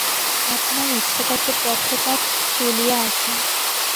আপনার ইচ্ছা থাকে, পত্রপাঠ চলিয়া আসুন।